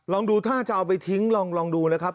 ลองดูถ้าจะเอาไปทิ้งลองดูนะครับ